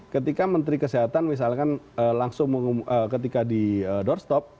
ketika menteri kesehatan misalkan langsung ketika di doorstop